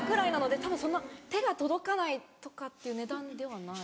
たぶんそんな手が届かないとかっていう値段ではない。